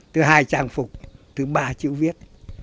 thứ hai trang phục thứ ba chữ viết